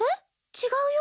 違うよ。